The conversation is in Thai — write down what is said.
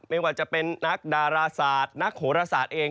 ไม่ว่าจะเป็นนักดาราศาสตร์นักโหรศาสตร์เอง